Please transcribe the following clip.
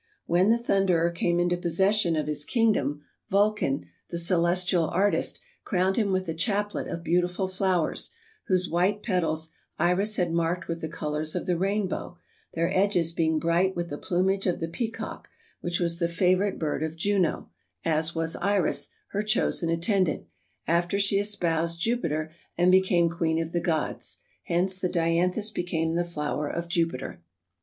When the Thunderer came into possession of his kingdom Vulcan, the celestial artist, crowned him with a chaplet of beautiful flowers, whose white petals Iris had marked with the colors of the rainbow, their edges being bright with the plumage of the peacock, which was the favorite bird of Juno, as was Iris, her chosen attendant, after she espoused Jupiter and became queen of the gods. Hence the Dianthus became the flower of Jupiter.